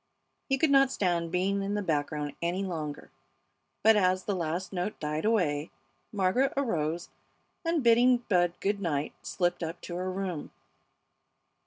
He could not stand being in the background any longer; but as the last note died away Margaret arose and, bidding Bud good night, slipped up to her room.